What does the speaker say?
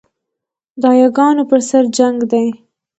د یاګانو پر سر جنګ دی